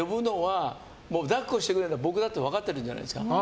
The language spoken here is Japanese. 抱っこしてくれるの僕だって分かってるんじゃないですか。